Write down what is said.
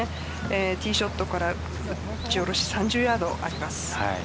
ティーショットから打ち下ろし３０ヤードあります。